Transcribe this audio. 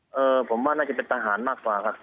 เออผมว่าน่าจะเป็นทหารมากกว่าครับ